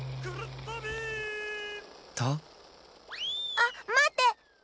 あっまって！